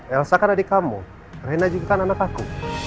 elsa kan adik kamu rena juga kan anak aku